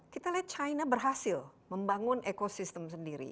kita lihat china berhasil membangun ekosistem sendiri